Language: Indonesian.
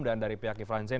dan dari pihak kiflan zain